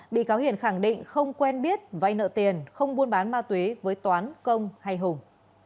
bị cáo hiền khẳng định không quen biết vay nợ tiền không buôn bán ma túy với toán công hay hùng